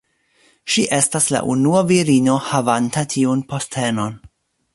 Ŝi estas la unua virino havanta tiun postenon.